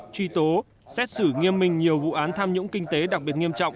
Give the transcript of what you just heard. truy tố xét xử nghiêm minh nhiều vụ án tham nhũng kinh tế đặc biệt nghiêm trọng